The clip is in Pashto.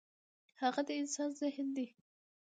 هغه د انسان ذهن دی.